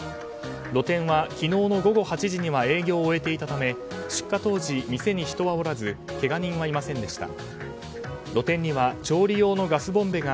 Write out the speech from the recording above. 露店は昨日の午後８時には営業を追えていたため出火当時、店に人はおらずけが人はいませんでした。